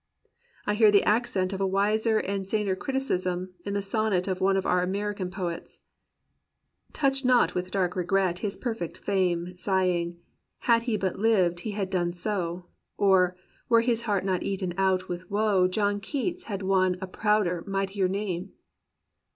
I hear the accent of a wiser and saner criticism in the sonnet of one of our Amer ican poets: "Touch not with dark regret his perfect fame. Sighing, *Had he but lived he had done so*; Or, *Were his heart not eaten out with woe John Keats had won a prouder, mightier name!'